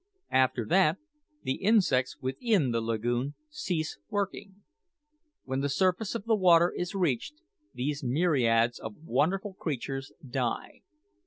After that, the insects within the lagoon cease working. When the surface of the water is reached, these myriads of wonderful creatures die.